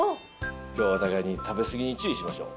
きょうはお互いに食べ過ぎに注意しましょう。